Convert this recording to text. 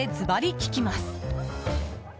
聞きます。